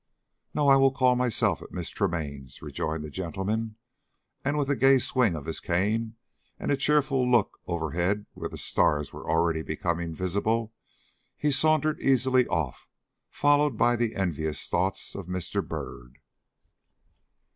"No. I will call myself at Miss Tremaine's," rejoined the gentleman. And, with a gay swing of his cane and a cheerful look overhead where the stars were already becoming visible, he sauntered easily off, followed by the envious thoughts of Mr. Byrd.